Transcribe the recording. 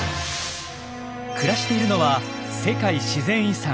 暮らしているのは世界自然遺産